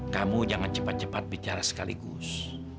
kamu jangan cepat cepat bicara sekaligus